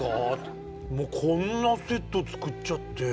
こんなセット作っちゃって。